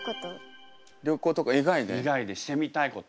以外でしてみたいこと。